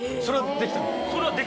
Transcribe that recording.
それはできたの。